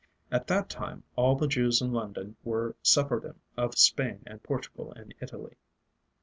At that time all the Jews in London were Sephardim of Spain and Portugal and Italy.